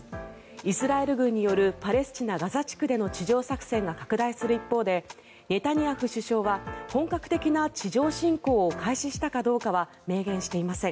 イスラエル軍によるパレスチナ・ガザ地区での地上作戦が拡大する一方でネタニヤフ首相は本格的な地上侵攻を開始したかどうかは明言していません。